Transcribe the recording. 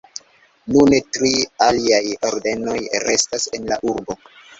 Nune tri aliaj ordenoj restas en la urbo.